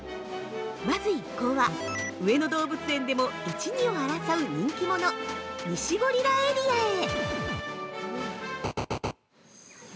まず一行は、上野動物園でも一、二を争う人気者ニシゴリラエリアへ。